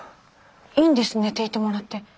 いいんです寝ていてもらって。